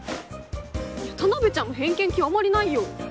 田辺ちゃんも偏見極まりないよ。